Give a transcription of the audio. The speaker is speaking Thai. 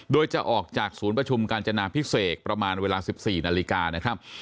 โดยจะออกจากศูนย์ประชุมกาญจนาพิเศษประมาณเวลา๑๔นาฬิกานะครับ